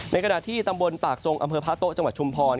ขณะที่ตำบลปากทรงอำเภอพระโต๊ะจังหวัดชุมพร